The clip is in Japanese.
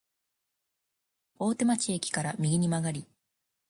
大手町駅から右に曲がり、